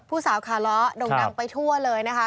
ผู้สาวคาเลาะโด่งดังไปทั่วเลยนะคะ